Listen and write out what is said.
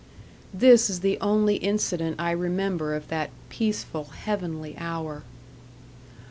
This is the only incident I remember of that peaceful, heavenly hour.